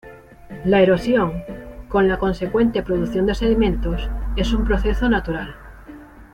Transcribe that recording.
La erosión, con la consecuente producción de sedimentos, es un proceso natural.